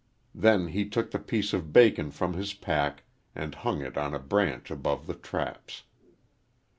Then he took the piece of bacon from his pack and hung it on a branch above the traps.